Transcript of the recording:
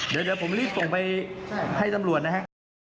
เดี๋ยวผมรีบส่งไปให้ตำรวจนะฮะ